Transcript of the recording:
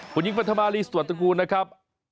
คุณยิงพันธมาลีสตรวจตระกูลนะครับ